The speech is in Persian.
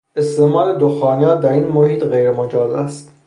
استعمال دخانیات در این محیط غیر مجاز است